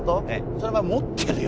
そりゃ持ってるよ